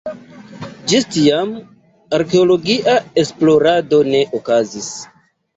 Ĝis tiam arkeologia esplorado ne okazis.